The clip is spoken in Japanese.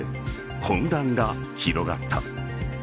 混乱が広がった。